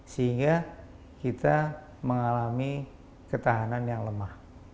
sehingga kita mengalami ketahanan yang lemah